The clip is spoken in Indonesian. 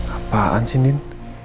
apaan sih nen